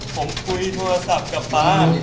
ผมคุยโทรศัพท์กับป๊า